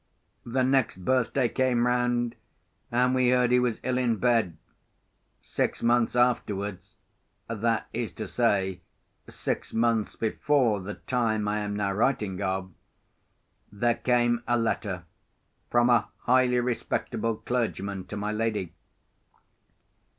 The next birthday came round, and we heard he was ill in bed. Six months afterwards—that is to say, six months before the time I am now writing of—there came a letter from a highly respectable clergyman to my lady.